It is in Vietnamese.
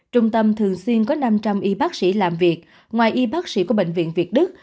trung tâm thường xuyên có năm trăm linh y bác sĩ làm việc ngoài y bác sĩ của bệnh viện việt đức